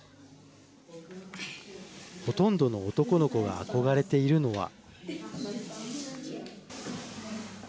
ほとんどの男の子が憧れているのは。